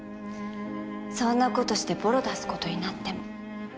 そんなことしてボロ出すことになっても。